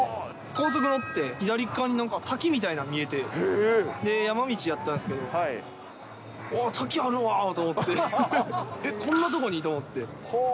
高速乗って左側になんか滝みたいのが見えて、山道だったんですけど、おー、滝あるわと思って、こんな所に？と思って。